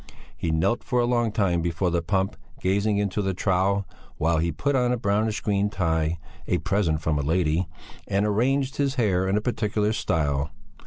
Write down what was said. He knelt for a long time before the pump, gazing into the trough, while he put on a brownish green tie, a present from a lady, and arranged his hair in a particular style.